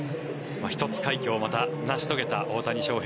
１つ快挙を成し遂げた大谷翔平。